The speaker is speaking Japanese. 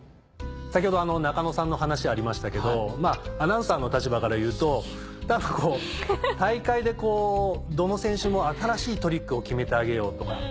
先ほど中野さんの話ありましたけどアナウンサーの立場から言うと多分大会でどの選手も新しいトリックを決めてあげようとか。